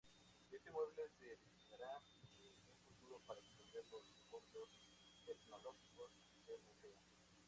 Este inmueble, se destinará en un futuro para exponer los fondos etnológicos del museo.